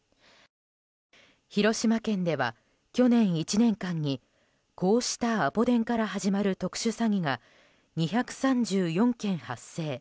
広島県では去年１年間にこうしたアポ電から始まる特殊詐欺が２３４件発生。